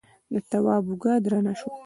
د تواب اوږه درنه شوه.